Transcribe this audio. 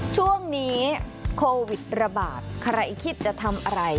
ช่วงนี้โควิดระบาดใครคิดจะทำอะไร